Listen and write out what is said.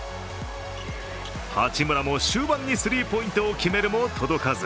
八村も終盤にスリーポイントを決めるも届かず。